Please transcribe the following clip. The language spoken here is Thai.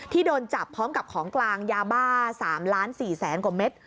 โดนจับพร้อมกับของกลางยาบ้า๓ล้าน๔แสนกว่าเม็ด